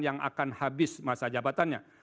yang akan habis masa jabatannya